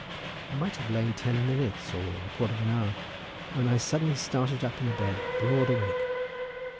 I might have lain ten minutes or a quarter of an hour when I suddenly started up in the bed broad awake.